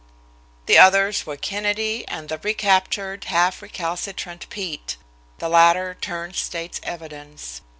The others were Kennedy and the recaptured, half recalcitrant Pete; the latter turned state's evidence.